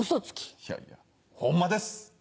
いやいやホンマです。